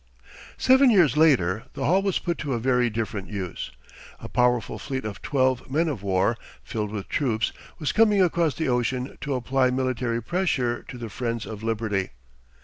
Seven years later the Hall was put to a very different use. A powerful fleet of twelve men of war, filled with troops, was coming across the ocean to apply military pressure to the friends of liberty.